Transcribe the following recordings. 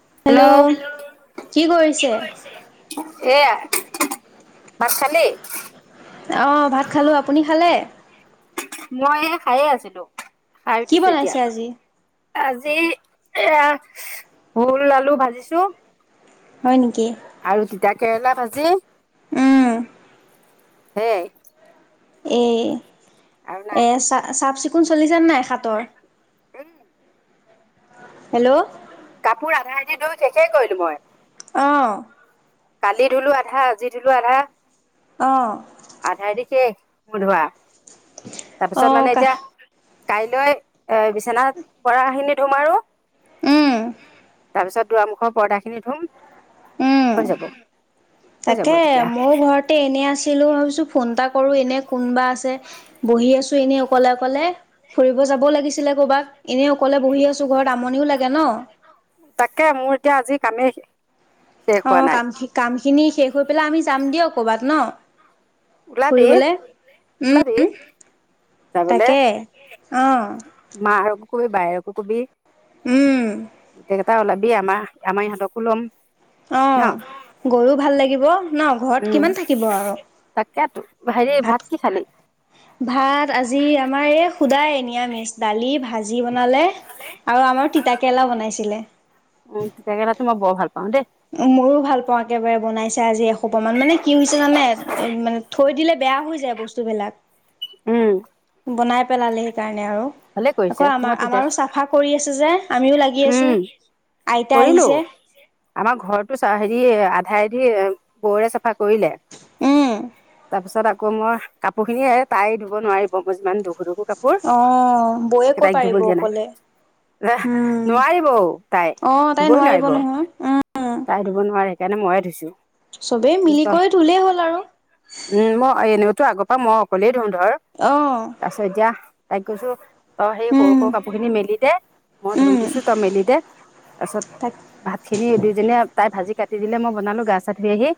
Hello, কি কৰিছে? এয়া ভাত খালি? অঁ ভাত খালোঁ, আপুনি খালে? মই এ' খায়ে আছিলো খাই কি উঠিছো এতিয়া। বনাইছে আজি? আজি এয়া ভোল- আলু ভাজিছো। হয়, নেকি? আৰু তিতা -কেৰেলা ভাজি উম। সেয়াই। এ'-এ' চা- চাফ চিকুণ চলিচে নাই হাতৰ? উম হেল্ল', [unintelligible] অ', কালি ধুলো আধা -আজি ধুলো আধা। অ', আধা আদি শেষ বোধোৱা। আহ কা কাইলৈ এ বিচনা পৰা খিনি ধুম আৰু উম তাৰপিছত দুৱামুখৰ পৰ্দাখিনি ধুম হৈ উম যাব হৈ যাব তাকে তেতিয়া। মোৰ ঘৰতে এনে আছিল। ভাবিছোঁ ফোন এটা কৰো এত- এনে কোনোবা আছে বহি আছো এনে অকলে অকলে ফুৰিব যাবও লাগিছিলে কৰবাত এনে অকলে বহি আছো ঘৰত আমনিও লাগে ন। তাকে মোৰ এতিয়া আজি কামেই শেষ। অ হোৱা নাই। কাম কামখিনি শেষ হৈ পেলাই আমি যাম দিয়ক কবাত ন। উলাবী ফুৰিবলে উলাবী উম। যাবলে তাকে। অ', মা ৰক কবি বাইৰকো কবি উম, গোটেইকেইটা ওলাবি আমাৰ আমাৰ ইহঁতকো লম। অ ন গৈও ভাল লাগিব ন ঘৰত কিমান থাকিব আৰু ইয়াতো হেৰি ভাত কি খালি? ভাত আজি আমাৰ এই শুদায় নিৰামিষ দালি ভাজি ব- বনালে আৰু আমাৰ তিতা কেৰেলা বনাইছিলে। উম তিতাকেৰেলাটো মই বৰ ভাল পাওঁ দেই ময়ো ভাল পাওঁ একেবাৰে বনাইছে আজি এহোপা মান মানে কি হৈছে জানে মানে থৈ দিলে। বেয়া হৈ যায় বস্তুবিলাক উম বনাই পেলালে সেইকাৰণে আৰু ভালে কৰিছে আকৌ মই আমাৰ তিতা আমাৰো চাফা কৰি আছে যে আমিও লাগি আছো। উম আইতা কৰিলো আহিছে। আমাৰ ঘৰতো চা হেৰি আধাৰেদি বৌৰে চ- ফা কৰিলে উম। তাৰপিছত আ- আকৌ মই কাপোৰ খিনি তাই ধোব নোৱাৰিব মই যিমান ধোগো ধোগো অ বৌয়ে কৈ পাৰিব অকলে। এ উম নোৱাৰিবঔ তাই অ তাই ধুবই নোৱাৰিব নহয় উম তাই ধুব নোৱাৰে। সেইকাৰণে ময়ে ধুইছো চবেই দুষ্ট মিলি কৰি ধুলেই হ'ল আৰু উম মই এনেও তো আগৰ পৰা মই অকলেই ধোও ধৰ অ তাপিছত এতিয়া তাইক কৈছো। তই সেই সৰু উম সৰু কাপোৰ খিনি মেলি দে মই ধূই উম দিছো তই মেলি দে। তাৰ পিছত তাক ভাত খিনি দুইজনীয়ে তাই ভাজি কাটি দিলে মই বনালো গা চা ধুই আহি।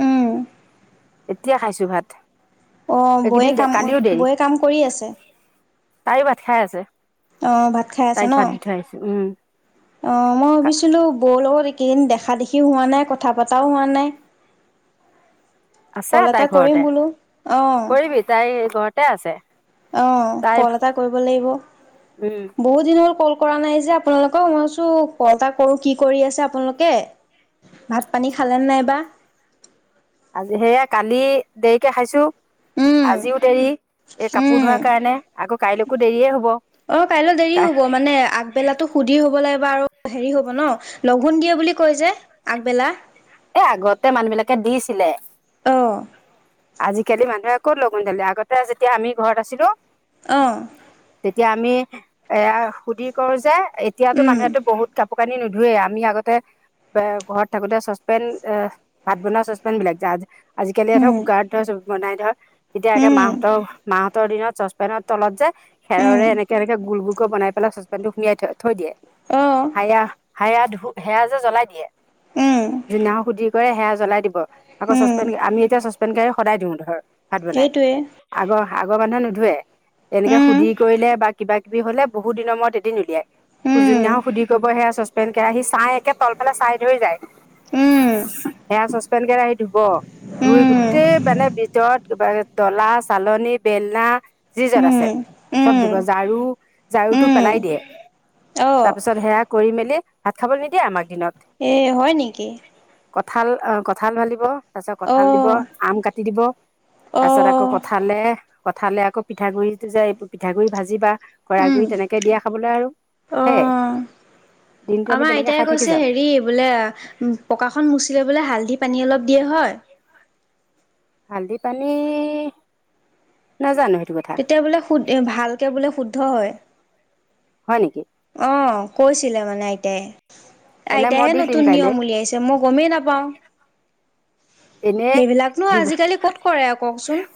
উম এতিয়া খাইছো ভাত। অ বৌয়ে এইকেইদিন কাম কালিও দেৰি বৌয়ে কাম কৰি আছে। তাইও ভাত খাই আছে। অ ভাত খাই আছে তাইক ন ভাত দি থৈ আহিছো। উম অ মই ভাবিছিলোঁ বৌ লগত এইকেদিন দেখা দেখিও হোৱা নাই কথা পতাও হোৱা নাই। আছে কল এটা তাই কৰিম ঘৰতে বোলো অ কৰিবি তাই ঘৰতে আছে। অ তাই কল এটা কৰিব লাগিব উম বহুত দিন হ'ল কল কৰা নাই যে আপোনালোক মইছো কল এটা কৰো কি কৰি আছে আপোনালোকে ভাত পানী খালেনে নাইবা আজি সেয়া কালি দেৰিকে খাইছোঁ। উম, আজিও দেৰি এই কাপোৰ উম। ধোৱাৰ কাৰণে আকৌ কাইলৈকো দেৰিয়ে হ'ব। অ কাইলৈ দেৰি হব মানে আগবেলাতো সুধি হবলে। হেৰি হব ন লঘোণ দিয়ে বুলি কৈ যে আগবেলা এ আগতে মানুহ বিলাকে দিছিলে। অঁ আজিকালি মানুহে ক'ত লঘোণ দিলে আগতে যেতিয়া আমি ঘৰত আছিলোঁ। আহ তেতিয়া আমি এয়া সুধি কৰো যে এতিয়াতো উম মানুহেতটো বহুত কাপ- কাপোৰ কানি নোধুৱে আমি আগতে ঘৰত থাকোতে চচপেন এ ভাত বনোৱা চচপেন বিলাক য আজিকালি ধৰ হুম কুকাৰত ধৰ চ বনাই ধৰ তেতিয়া একে উম মাহঁতৰ মাহঁতৰ দিনত চচপেনৰ তলত যে উম খেৰৰে এনেকে এনেকে গোল গোল বনাই পেলাই চচপেন টো সুমিয়াই থ থৈ দিয়ে অঁ হায়া হয়া ধু সেয়া যে জ্বলাই দিয়ে উম যোনদিনাখন সুধি কৰে সেয়া জ্বলাই দিব আকৌ উম চচপেন আমি এতিয়া চচপেণ্ড কেৰাহিত সদায় দিওঁ ধৰ ভাত বনাই সেইটোৱে আগৰ আগৰ মানুহে নুধুৱে এনেকে উম সুধি কৰিলে বা কিবা কিবি হলে বহু দিনৰ মৰত এদিন উলিয়াই উম যোন দিনাক সুধি কৰিব সেয়া চচ পেন কেৰাহী চাই একে তলফালে চাই ধৰি যায় উম সেয়া চচপেন কেৰাহিত ধুব। ধুই উম গোতেই মানে ভিতৰত কিবা ডলা, চালনী, বেলনা যি যত আছে উম চব উম ধোব ঝাৰু ঝাৰু টো উম পেলাই দিয়ে অঁ তাৰ পিছত সেয়া কৰি মেলি ভাত খাবলৈ নিদিয়ে আমাক দিনত এ হয় নেকি কঁঠাল কঁঠাল ফালিব তাৰপিছত কঁঠাল দিব অঁ আম কাটি দিব তাৰ চত অঁ আকৌ কঠালে কঠালে আকৌ পিঠাগুড়িটো যে পিঠাগুড়ি ভাজি বা ঘৰাই উম গুৰি তেনেকে দিয়া খাবলৈ আৰু হে অঁ আমাৰ আইতাই কৈছে হেৰি বোলে পকাখন মুচি লৈ বলৈ হালধি পানী অলপ দিয়ে হয়? হালধি পানী নাজানো সেইটো কথা তেতিয়া বোলে শু ভালকে বোলে শুদ্ধ হয় হয় নেকি অ কৈছিলে মানে আইতাই তেনে মই আইতাইহে দি দিম নতুন কাইলৈ নিয়ম উলিয়াইছে মই গমেই নাপাওঁ এনেই সেইবিলাকনো আজিকালি কত কৰে আৰু কওকচোন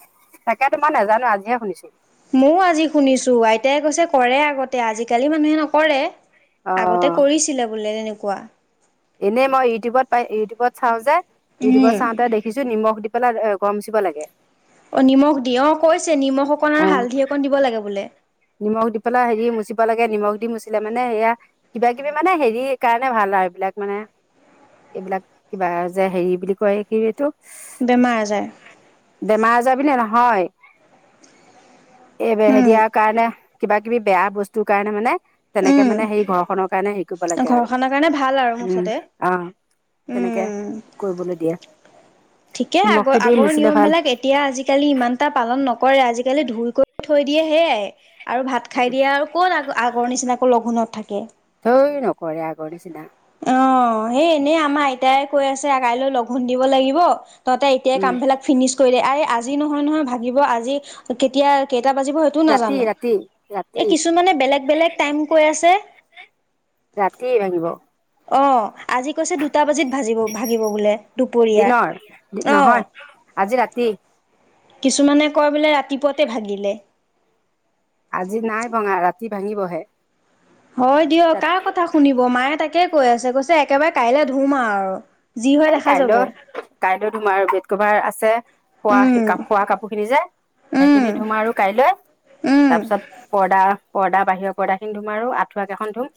তাকে তোমাৰ নাজানো আজিয়ে শুনিছো ময়ো আজি শুনিছো আইতাই কৈছে কৰে আগতে আজিকালি মানুহে নকৰে অ আগতে কৰিছিলে বোলে তেনেকুৱা এনেই মই ইউটিউবত পাই ইউটিউবত চাওঁ যে উম ইউটিউবত চাওঁতে দেখিছো নিমখ দি পেলাই ঘৰ মুচিব লাগে অ নিমখ দি অ কৈছে নিমখ অকণ অ আৰু হালধি অকণ দিব লাগে বোলে নিমখ দি পেলাই হেৰি মুচিব লাগে নিমখ দি মুচিলে মানে সেয়া কিবা কিবি মানে হেৰিৰ কাৰণে ভাল আৰু এইবিলাক মানে এইবিলাক কিবা যে হেৰি বুলি কয় কি এইটো বেমাৰ আজাৰ বেমাৰ আজাৰ বুলি নহয় এই উম হেৰিৰ কাৰণে কিবা কিবি বেয়া বস্তুৰ কাৰণে মানে তেনেকে উম মানে সেই ঘৰখনৰ কাৰণে সেইকৰিব লাগে আৰু ঘৰখনৰ কাৰণে ভাল আৰু উম মুঠতে আহ তেনেকে উম কৰিবলৈ দিয়ে ঠিকে আগ নিমখটো দি আগৰ মুচিলে নিয়ম ভাল বিলাক এতিয়া আজিকালি ইমান এটা পালন নকৰে আজিকালি ধুইকৈ থৈ দিয়ে সেয়াই আৰু ভাত খাই দিয়ে আৰু কত আগ আগৰ নিচিনাকৈ লঘোণত থাকে নকৰে আগৰ নিচিনা অ সেই এনেই আমাৰ আইতাই কৈ আছে কাইলৈ লগঘোণ দিব লাগিব তহঁতে এতিয়াই উম কামবিলাক ফিনিছ কৰি দে। আৰে আজি নহয় নহয় ভাগিব আজি কেতিয়া কেইটা বাজিব সেইটো ৰাতি নাজান? ৰাতি ৰাতি কিছুমানে বেলেগ বেলেগ টাইম কৈ আছে। ৰাতি ভাঙিব। অ আজি কৈছে দুটা বাজিত ভাজিব ভাগিব বোলে। দিনৰ দুপৰীয়া অ নহয় আজি ৰাতি কিছুমানে কয় বোলে ৰাতিপুৱাতে ভাগিলে আজি নাই ভঙা ৰাতি ভাঙিবহে। হয় দিয় ৰাতি কাৰ কথা শুনিব মায়ে, তাকে কৈ আছে কৈছে একেবাৰে কাইলৈ ধুম আৰু আৰু এ কাইলৈ কাইলৈ ধোম আৰু বেড কভাৰ আছে খোৱা উম খোৱা কাপোৰ খিনি যে উম সেইখিনি ধুম আৰু কাইলৈ উম তাৰ পিছত পৰ্দা পৰ্দা বাহিৰৰ পৰ্দাখিন ধুম আৰু আঠুৱােকেখন ধুম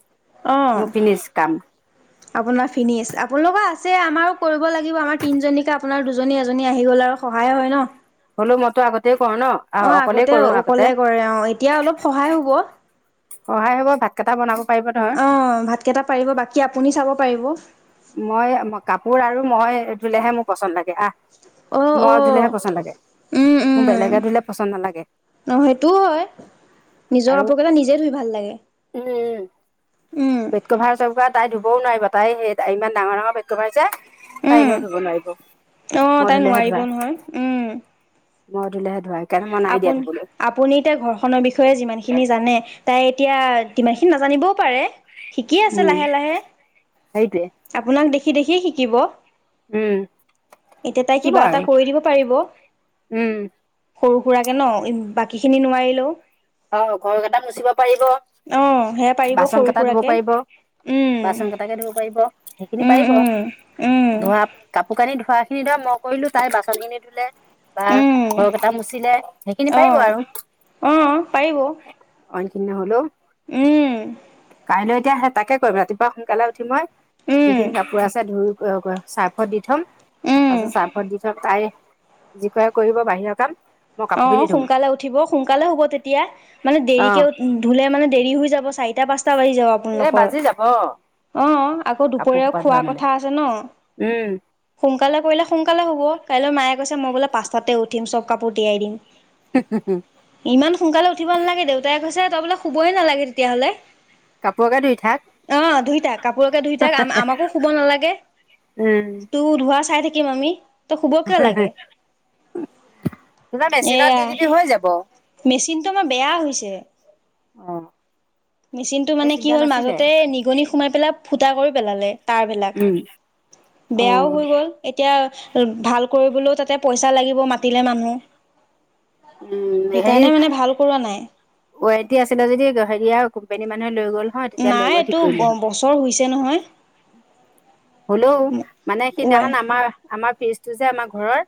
অ মোৰ ফিনিচ কাম আপোনাৰ ফিনিজ আপোনালোকৰ আছে আমাৰো কৰিব লাগিব আমাৰ তিনজনীকে আপোনাৰ দুজনী এজনী আহি গ'ল আৰু সহায় হয় ন হ'লো মইতো আগতে কৰো ন অঁ অকলেই আগতে কৰো আগতে অকলে কৰে অঁ এতিয়া অলপ সহায় হ'ব। সহায় হ'ব ভাতকেইটা বনাব। পাৰিব অ ভাতকেইটা পাৰিব বাকী আপুনি চাব পাৰিব। মই কাপোৰ আৰু মই ধুলেহে মোৰ পচন্দ লাগে। আহ অঁ মই অঁ। ধুলেহে পচন্দ লাগে। উম উম মোক বেলেগে ধুলে পচন্দ নালাগে। অঁ সেইটোও হয় নিজৰ আৰু কাপোৰ কেইটা নিজে ধুই ভাল লাগে। উম উম। বেড কভাৰ চেডকভাৰ তাই ধুবও নোৱাৰিব তাই ইমান ডাঙৰ ডাঙৰ বেড কভাৰ আছে। তাই উম, এনেইও ধুব নোৱাৰিব অ' মই তাই ধলেহে নোৱাৰিব ধুৱা। নহয়, মই ধুলেহে ধোৱা। সেইকাৰণে মই নাই দিয়া আপুনি ধুবলৈ আপুনি ঘৰখনৰ বিষয়ে যিমান খিনি জানে তাই এতিয়া ইমানখিনি নাজানিবও পাৰে শিকি আছে উম লাহে লাহে। সেইটোৱে আপোনাক দেখি দেখি শিকিব। উম এতিয়া তাই শিকিব কিবা এটা আৰু কৰি দিব পাৰিব। উম সৰু সুৰাকৰাকে ন বাকী খিনি নোৱাৰিলেও অ ঘৰ কেইটা মুচিব পাৰিব, অ' সেয়া পাৰিব বাচন সৰু কেইটা ধুব সুৰাকে, পাৰিব উম, বাচন কেটাকে ধুব পাৰিব সেইখিনি উম, পাৰিব উম, উম। ধোৱা কাপোৰ কানি ধু ধোৱা খিনি ধৰা মই কৰিলো তাই বাচনখিনি ধুলে বা উম, ঘৰ কেইটা মুচিলে সেইখিনি পাৰিব অ', আৰু অ' পাৰিব অইন খিনি নহ'লেও। উম তেতিয়াহে তাকে কম ৰাতিপুৱা সোনকালে উঠি মই উম, যিখিনি কাপোৰ আছে ধুই চাৰ্ফত দি থ'ম উম। তাৰপিছত চাৰ্ভত দি থক তাই যি কে কৰিব বাহিৰৰ কাম মই অ কাপোৰ খিনি ধুম সোনকালে উঠিব সোনকালে হ'ব তেতিয়া মানে অ দেৰিকে ধুলে মানে দেৰি হৈ যাব চাৰিটা, পাঁচটা বাজি যাব এই আপোনালোকৰ বাজি যাব অ আকৌ কাপোৰ দুপৰীয়াও সোপা ধোৱা খোৱা মানে। কথা আছে ন উম। সোনকালে কৰিলে সোনকালে হ'ব। কাইলৈ মায়ে কৈছে মই বোলে পাঁচাতে উঠিম চব কাপোৰ তিয়াই দিম। ইমান সোনকালে উঠিব নালাগে দেউতাই কৈছে তই বোলে শুবই নালাগে তেতিয়াহ'লে। কাপোৰকে ধুই থাক। অ ধুইথাক কাপোৰকে ধুইথাক আমাকো শুব নালাগে। উম, তোৰ ধোৱা চাই থাকিম আমি তই শুব কিয় লাগে তিবা মেচিনত এয়া দি দিবি হৈ যাব মেচিনটো আমাৰ বেয়া অ। মেচিন টো এই মানে কি চিন্তা হ'ল নাছিলে। মাজতে নিগনি সোমাই পেলাই ফুটা কৰি পেলালে তাৰবিলাক অ'। বেয়াও উম, হৈ গ'ল। এতিয়া ভাল কৰিবলৈও তাতে পইচা লাগিব মাতিলে মানুহ সেইকাৰণে মানে ভাল কৰোৱা নাই ৱাৰেনটি আছিলে যদি হেৰিয়া কোম্পানী মানুহে লৈ গল হয় তেতিয়া লৈ নাই গল এইটো ঠিক কৰিলে বছৰ হৈছে নহয়। হয় হ'লেও মানে ৱাই সিদিনাখন আমাৰ আমাৰ ফ্ৰিজটো যে আমাৰ ঘৰৰ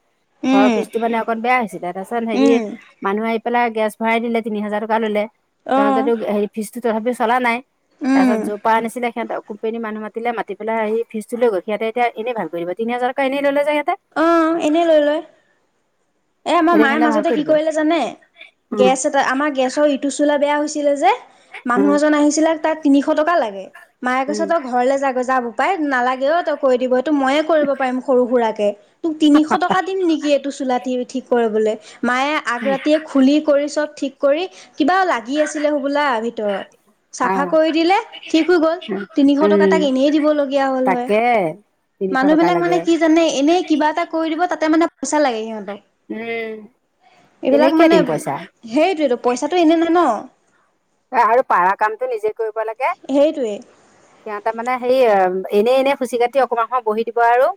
ঘৰৰ উম ফ্ৰীজটো মানে অকণ বেয়া হৈছিলে তাৰপাছত হেৰি উম মানুহ আহি পেলাই গেছ ভৰাই দিলে তিনি হাজাৰ টকা ল'লে অ লওঁতেতো হেৰি ফ্ৰিজটো তথাপি চলা নাই তাৰ উম পাছত যপা আনিছিলে সিহঁত কোম্পেনী মানুহ মাতিলে মাতি পেলাই আহি ফ্ৰিজটো লৈ গ'ল সিহতে এতিয়া এনেই ভাল কৰিব তিনি হাজাৰ টকা এনেই ললে যে অ এনেই লৈ লয়। এ মই এতিয়া মায়ে সিহঁতে ভাল মাজতে কৰি কি দিব। কৰিলে জানে উম, গেছ এটা আমাৰ গেছৰ ইটো চোলা বেয়া হৈছিলে যে মানুহ উম, এজন আহিছিলে তাত তিনিশ টকা লাগে মায়ে কৈছে উম, তই ঘৰলে যা গৈ যা বোপাই নালাগেও তই কৈ দিব এইটো ময়ে কৰিব পাৰিম সৰু সুৰাকে তোক তিনিশ টকা দিম নেকি এইটো চুলা ঠি ক কৰিবলে মায়ে আগ উম। ৰাতিয়ে খুলি কৰি চব ঠিক কৰি কিবা লাগি আছিলে হবলা। ভিতৰত চাফা আহ, কৰি দিলে ঠিক হৈ গল তিনিশ টকা তাক উম, এনেই দিবলগীয়া। হ'ল হয় তাকে তিনিশ মানুহ টকা বিলাক লাগে। মানে কি জানে এনেই কিবা এটা কৰি দিব তাতে মানে পইচা লাগে সিহঁতক। উম, এনেই এইবিলাক কিয় মানে দিম পইচা। সেইটোৱেতো পইচাটো এনে নাই ন। আৰু পাৰা কামটো নিজে কৰিব লাগে সেইটোৱে সিহতে মানে হেই। এনে এনে খুচি কাটি অকমান সময় বহি দিব আৰু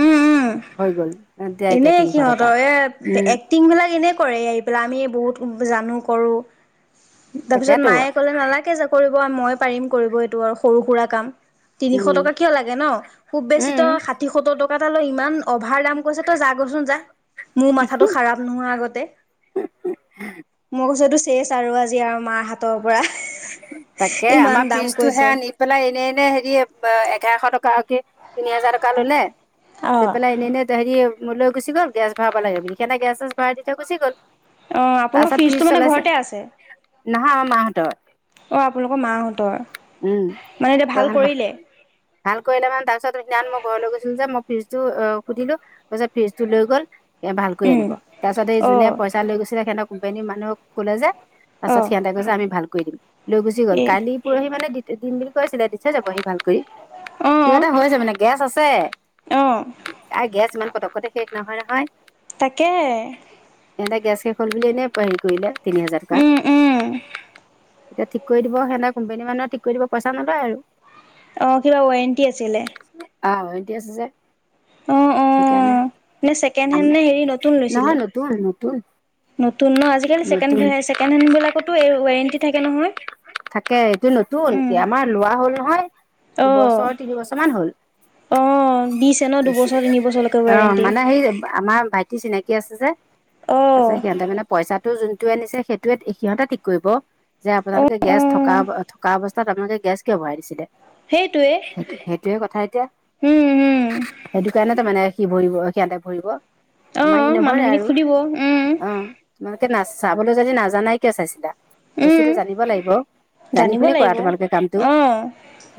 উম উম হৈ গল। দিয়া এতিয়া এনেই তিনিশ টকা সিহঁতৰ এ উম এক্টিং বিলাক এনেই কৰে এই পেলাক আমি বহুত। জানো কৰো তাৰপিছত তাকেতো মায়ে কলে নালাগে যা কৰি। ব মই পাৰিম কৰিব এইটো আৰু সৰু সুৰা কাম। তিনিশ উম টকা কিয় লাগে ন খুব উম বেছিতো ষাঠি সত্তৰ টকা এটা লৈ ইমান অভাৰ দাম। ত যাগৈ চোন যা মোৰ মাথাটো খাৰাপ নোহোৱা আগতে। মই কৈছো এইটো চেচ আৰু আজি আৰু মাৰ হাতৰ। পৰা তাকে ইমান আমাৰ দাম ফ্ৰিজটো কৈছে সেয়া নি পেলাই এনে এনে হেৰি এঘাৰশ টকাকে। তিনি হাজাৰ টকা ললে অ লৈ পেলাই এনেই এনেই হেৰি। মো লৈ গুচি গল গেছ ভৰাব লাগে বুলি সেনেকে গেছ ভৰাই দি থৈ গুচি গল। অ আপোনাৰ তাৰপিছত ফিজটো ফ্ৰিজ মানে চলাইছে ঘৰতে আছে নহয় আমাৰ মাহঁতৰ। অ আপোনালোকৰ মাহঁতৰ উম মানে এতিয়া ভাল কৰিলে। ভাল কৰিলে মানে তাৰপিছত সেইদিনা মই ঘৰলৈ গৈছিলো যে মই ফ্ৰিজটো সুধিলো তাছত ফ্ৰিজটো লৈ গ'ল। এ ভালকৈ উম আনিব তাৰ পিছত এই অ যোনে পইচা লৈছিলে সেতক কোম্পেনীৰ মানুহক ক'লে যে। তাৰ অ পছত সিহঁতে কৈ যে আমি ভাল কৰি দিম লৈ গুচি গ'ল এই কালি পৰহি মানে। দিম বুলি কৈছিলে দি থৈ যাবহি ভাল কৰি অ কিবা এটা হৈছে মানে গেছ আছে। অ আৰু গেছ ইমান পতককতে শেষ নহয় নহয়। তাকে। সিহঁতে গেছ শেষ হল বুলি এনে হেৰি কৰিলে তিনি হাজাৰ উম উম টকা। এতিয়া ঠিক কৰি দিব সেনেকে কোম্পানী মানুহে ঠিক কৰি দিব পইচা নলয় আৰু। অ কিবা ৱাৰেণ্টি আছিলে। অহ ৱাৰেণ্টি আছে যে অ অ সেইকাৰণে। নে ছেকেণ্ড আ হেণ্ড নে হেৰি নতুন লৈছিলে নহয় নতুন নতুন। নতুন ন আজিকালি নতুন ছেকেণ্ড হেণ্ড বিলাকতো এই ৱাৰেণ্টি থাকে নহয়। থাকে এইটো নতুন উম কি আমাৰ লোৱা হ'ল নহয় অ দুবছৰ তিনিবছৰ মান হল। অ দিছে ন দুবছৰ তিনিবছৰলৈকে অ ৱাৰেণ্টি মানে সেই আমাৰ ভাইটি চিনাকি। আছে যে অ তাৰপিছত সিহঁতে মানে পইচাটো যোনটোৱে আনিছে সেইটোৱে সিহঁতে ঠিক কৰিব। যে অ আপোনালোকে অ গেছ থকা থকা অৱস্থাত আপোনালোকে গেছ কিয় ভৰাই দিছিলে। সেইটোৱে স সেইটোয়ে কথা এতিয়া উম উম সেইটো কাৰণেতো মানে। কি ভৰিব সিয়াতে ভৰিব আমাৰ ই অঁ নভৰে মানুহখিনিক আৰু সুধিব উম অ। মোকে না চাবলৈ যদি নাজানাই কিয় চাইছিলা। উম বস্তুটো জানিব লাগিব জানি জানিব শুনি কৰা লাগিব তোমালোকে কামটো। অঁ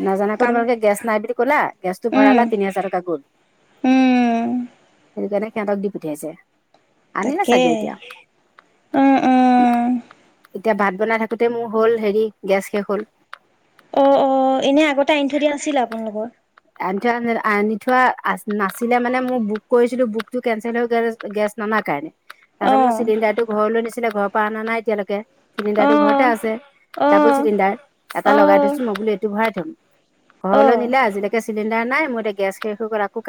নাজানাকৈ কাম তোমালোকে গেছ নাই বুলি। কলা গেছটো উম ভৰালা তিনি হাজাৰ টকা গ'ল উম সেই কাৰণে। সিহঁতক দি পঠিয়াইছে আনিলে তাকে চাগে এতিয়া। অঁ অঁ এতিয়া ভাত বনাই থাকোতে মোৰ হ'ল হেৰি গেছ শেষ হল। অ অ এনে আগতে আনি থৈ দিয়া নাছিলে আপোনালোকৰ। আনি থোৱা আনি থোৱা নাছিলে মানে মোৰ বুক কৰিছিলো বুকতটো কেনচেল হৈ গেছ নাননা কাৰণে। তাৰপাছত অঁ মোৰ চিলিণ্ডাৰটো ঘৰলৈ নিছিলে ঘৰৰ পৰা অনা ন এতিয়ালৈকে। চিলিণ্ডাৰটো অঁ ঘৰতে আছে ডাবুল অঁ চিলিণ্ডাৰ এটা লগাই অঁ দিছো মই বোলো এইটো ভৰাই থম। ঘৰলৈ অঁ নিলে আজিলৈকে চিলিণ্ডাৰ নাই মই এতিয়া গেছ শেষ হৈ গ'ল আকৌ।